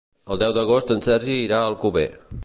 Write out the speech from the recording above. El deu d'agost en Sergi irà a Alcover.